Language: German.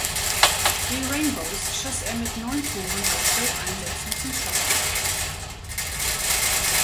Die Rainbows schoss er mit neun Toren bei zwölf Einsätzen zum Klassenerhalt.